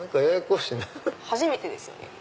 初めてですよね？